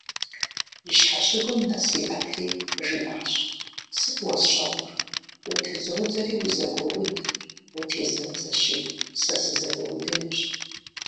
И щхьэщыгум нэс иӏэтри, жиӏащ: «Сыт уэсщӏэнур? Утызодзэри - узэгуоуд, утезмыдзэщи, сэ сызэгуэудынущ».